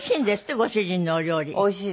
ご主人のお料理。